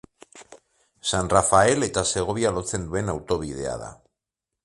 San Rafael eta Segovia lotzen duen autobidea da.